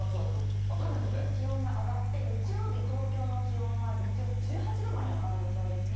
気温が上がって、日曜日、東京の気温は日中１８度まで上がる予想ですね。